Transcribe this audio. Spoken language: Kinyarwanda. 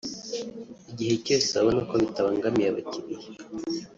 igihe cyose babona ko bitabangamiye abakiliya